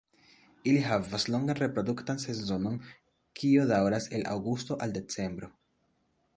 Ili havas longan reproduktan sezonon, kio daŭras el aŭgusto al decembro.